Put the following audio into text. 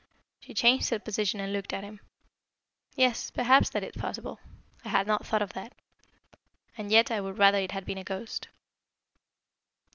She changed her position and looked at him. "Yes, perhaps that is possible. I had not thought of that. And yet I would rather it had been a ghost."